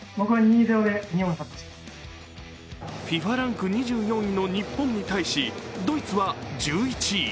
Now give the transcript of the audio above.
ＦＩＦＡランク２４位の日本に対しドイツは１１位。